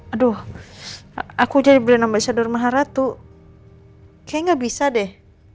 aduh aku jadi brand nama isyador maharatu kayak gak bisa deh